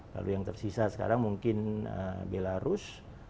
lalu yang tersisa sekarang mungkin belarus